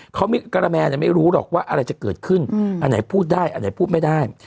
เขากระแมนไม่รู้หรอกว่าอะไรจะเกิดขึ้นอันไหนพูดได้อันไหนพูดไม่ได้